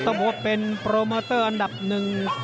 ต้องบอกว่าเป็นโปรโมเตอร์อันดับหนึ่ง